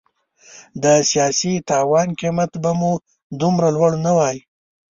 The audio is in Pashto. د سیاسي تاوان قیمت به مو دومره لوړ نه وای.